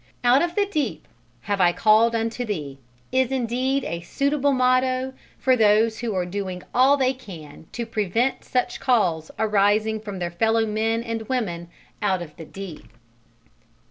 "Out of the deep have I called unto Thee" is indeed a suitable motto for those who are doing all they can to prevent such calls arising from their fellow men and women "out of the deep."